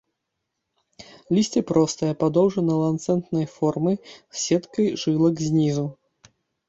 Лісце простае, падоўжана-ланцэтнай формы, з сеткай жылак знізу.